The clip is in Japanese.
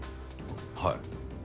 はい。